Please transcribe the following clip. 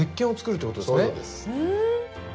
そうです。